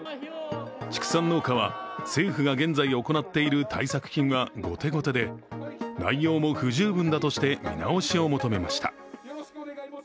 畜産農家は政府が現在行っている対策金は後手後手で内容も不十分だとして見直しを求めました。